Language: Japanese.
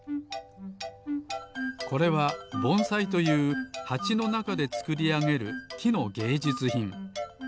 これはぼんさいというはちのなかでつくりあげるきのげいじゅつひん。